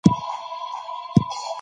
افغانستان په هرات غني دی.